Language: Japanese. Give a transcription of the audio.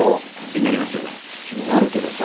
気になるけどさ。